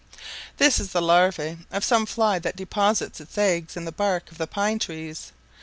This is the larvae of some fly that deposits its eggs in the bark of the pine trees.